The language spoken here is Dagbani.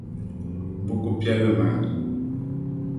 Buku piɛli maa.